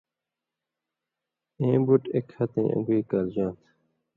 اېں بُٹ اېک ہتَیں اَن٘گُوئ کالژا تھہ۔